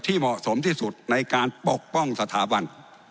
เหมาะสมที่สุดในการปกป้องสถาบัน